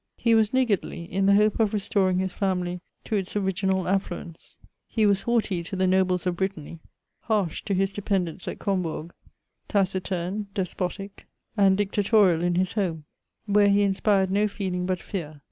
He was niggardly, in the hope of restoring his family to its ori^nal affluence. He was haughty to the nobles of Brit tany — harsh to his dependants at Combourg — taciturn, despotic and dictarorial in his home, where he inspired no feeling but fear.